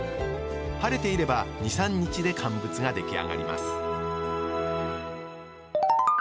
晴れていれば２３日で乾物が出来上がります